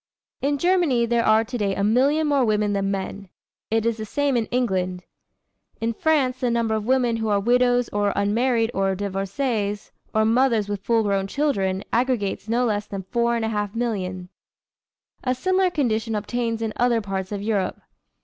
In Germany there are to day a million more women than men. It is the same in England. In France the number of women who are widows or unmarried or divorcées or mothers with full grown children aggregates no less than four and a half millions. A similar condition obtains in other parts of Europe.